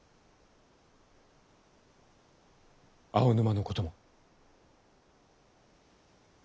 青沼のことも。